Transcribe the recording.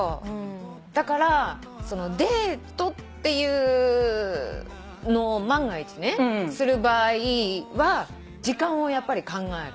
だからデートっていうのを万が一ねする場合は時間をやっぱり考える。